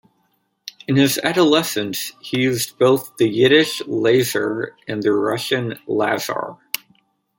In his adolescence he used both the Yiddish "Leyzer" and the Russian "Lazar".